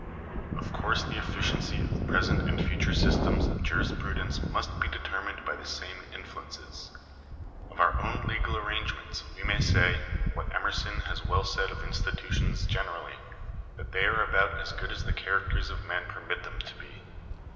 Of course the efficiency of present and future systems of jurisprudence must be determined by the same influences. Of our own legal arrangements we may say, what Emerson %)has well said of institutions generally — that they are about as good as the characters of men permit them to be.